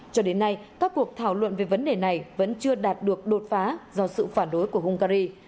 cho đến nay các cuộc thảo luận về vấn đề này vẫn chưa đạt được đột phá do sự phản đối của hungary